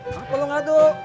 kamu perlu ngaduk